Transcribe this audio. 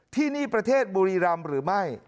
ที่นี่ประเทศบุรีรำหรือไม่